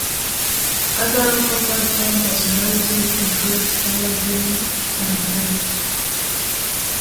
Other local part-time personalities include Sarah Greene, and "Gunner".